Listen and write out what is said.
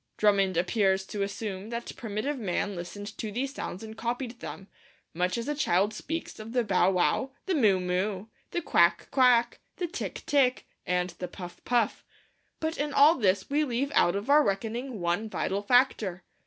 Drummond appears to assume that primitive man listened to these sounds and copied them, much as a child speaks of the bow wow, the moo moo, the quack quack, the tick tick, and the puff puff. But in all this we leave out of our reckoning one vital factor.